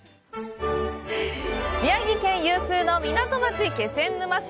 宮城県有数の港町・気仙沼市。